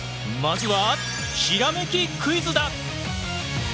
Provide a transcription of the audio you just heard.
まずはひらめきクイズだ！